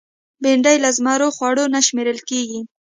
بېنډۍ له زمرو خوړو نه شمېرل کېږي